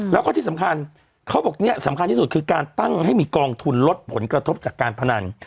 แล้วก็ที่สำคัญเขาบอกเนี่ยสำคัญที่สุดคือการตั้งให้มีกองทุนลดผลกระทบจากการพนัน